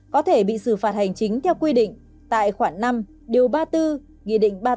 có thể bị xử phạt hành chính theo quy định tại khoảng năm ba mươi bốn ba mươi tám hai nghìn hai mươi một